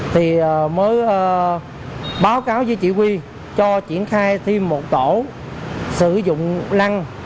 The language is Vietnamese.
thì mới báo cáo với chỉ huy cho triển khai thêm một tổ sử dụng lăng